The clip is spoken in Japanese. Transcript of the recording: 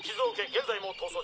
現在も逃走中！